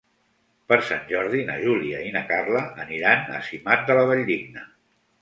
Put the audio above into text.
Per Sant Jordi na Júlia i na Carla aniran a Simat de la Valldigna.